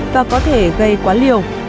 và có thể gây quá liều